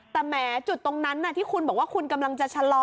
แต่แหมจุดตรงนั้นที่คุณบอกว่าคุณกำลังจะชะลอ